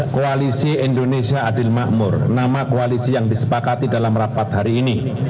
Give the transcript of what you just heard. koalisi indonesia adil makmur nama koalisi yang disepakati dalam rapat hari ini